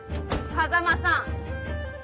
風真さん。